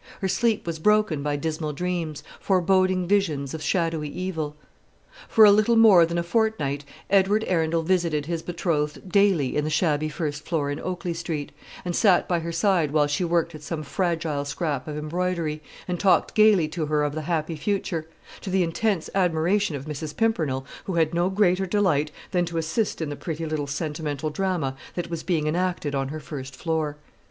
Her sleep was broken by dismal dreams, foreboding visions of shadowy evil. For a little more than a fortnight Edward Arundel visited his betrothed daily in the shabby first floor in Oakley Street, and sat by her side while she worked at some fragile scrap of embroidery, and talked gaily to her of the happy future; to the intense admiration of Mrs. Pimpernel, who had no greater delight than to assist in the pretty little sentimental drama that was being enacted on her first floor.